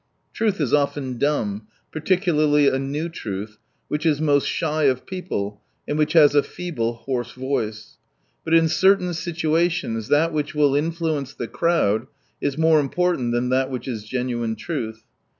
Truth is often dumb, particularly a new truth, which is most shy of people, and which has a feeble, hoarse voice. But in certain situations that which will influence the crowd is more important than that which is genuine truth.